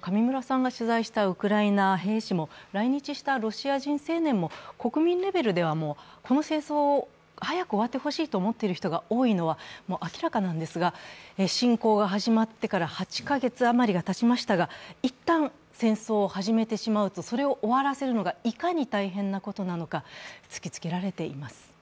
上村さんが取材したウクライナ兵氏も、来日したウクライナ青年も国民レベルでは、この戦争を早く終わってほしいと思っている人が多いのは、もう明らかなんですが、侵攻が始まってから８か月余りがたちましたがいったん戦争を始めてしまうとそれを終わらせるのがいかに大変なことなのか突きつけられています。